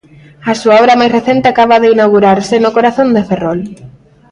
A súa obra máis recente acaba de inaugurarse no corazón de Ferrol.